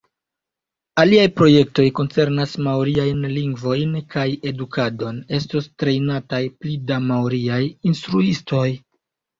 Aliaj projektoj koncernas maoriajn lingvon kaj edukadon: estos trejnataj pli da maoriaj instruistoj.